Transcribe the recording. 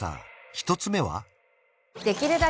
１つ目は？